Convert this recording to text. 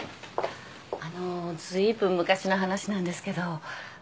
あのずいぶん昔の話なんですけど。